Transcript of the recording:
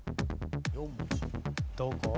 どこ？